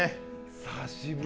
久しぶり。